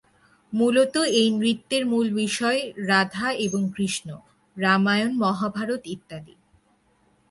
মূলত এই নৃত্যের মূল বিষয় রাধা এবং কৃষ্ণ, রামায়ণ, মহাভারত, ইত্যাদি।